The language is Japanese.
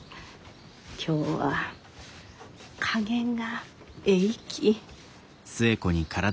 今日は加減がえいき。